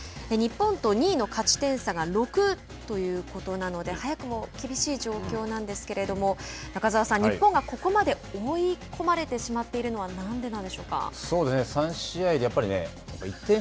日本と２位の勝ち点差が６ということなので早くも厳しい状況なんですけれども中澤さん、日本がここまで追い込まれてしまっているのはなんでなんでしょうか。